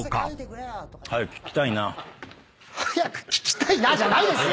「早く聞きたいな」じゃないですよ！